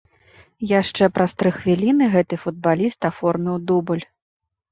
Яшчэ праз тры хвіліны гэты футбаліст аформіў дубль.